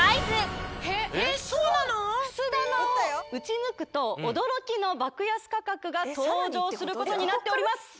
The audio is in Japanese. くす玉を打ち抜くと驚きの爆安価格が登場することになっております